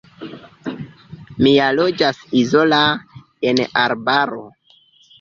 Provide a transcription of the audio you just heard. Mi ja loĝas izola, en arbaro.